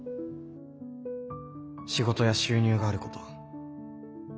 仕事や収入があること。